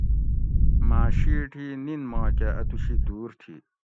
ماۤ شیٹ ہی نِن ماکہ اتوش دُور تھی